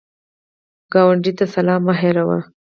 ګاونډي ته سلام مه هېروه